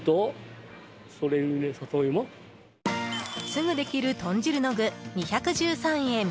すぐできる豚汁の具、２１３円。